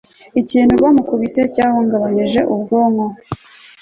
ikintu bamukubise cyahungabanyije ubwonko